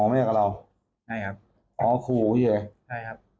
อ๋อไม่เอาเงินมากับเราอ๋อขู่ไว้ไว้